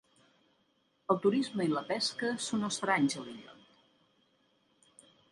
El turisme i la pesca són estranys a l'illot.